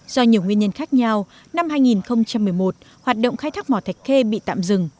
do nhiều nguyên nhân khác nhau năm hai nghìn một mươi một hoạt động khai thác mỏ thạch khê bị tạm dừng